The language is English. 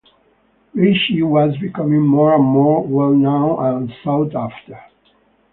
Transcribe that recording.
Baishi was becoming more and more well-known and sought after.